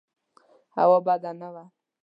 هوا بده نه وه.